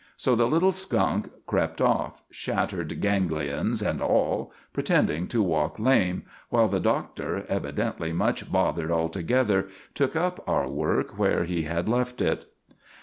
So the little skunk crept off, shattered ganglions and all, pretending to walk lame; while the Doctor, evidently much bothered altogether, took up our work where he had left it.